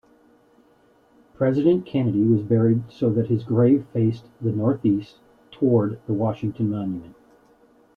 President Kennedy was buried so that his grave faced northeast toward the Washington Monument.